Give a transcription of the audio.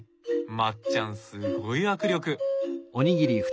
まっちゃんすごい握力。